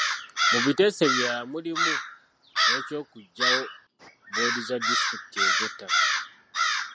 Mu biteeso ebirala mulimu n’eky'okuggyawo bboodi za disitulikiti ez’ettaka.